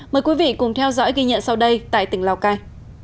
mời quý vị cùng theo dõi ghi nhận sau đây tại tỉnh lào cai